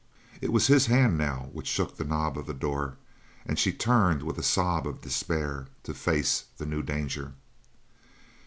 It was his hand now which shook the knob of the door, and she turned with a sob of despair to face the new danger.